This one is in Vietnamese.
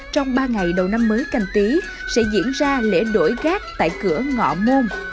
trong ba ngày đầu năm mới canh tí sẽ diễn ra lễ đổi gác tại cửa ngõ môn